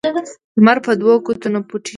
لمر په دوو ګوتو نه پوټیږی.